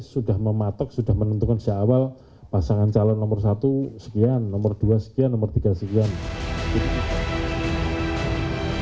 sudah mematok sudah menentukan sejak awal pasangan calon nomor satu sekian nomor dua sekian nomor tiga sekian